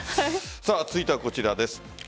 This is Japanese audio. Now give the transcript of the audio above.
続いてはこちらです。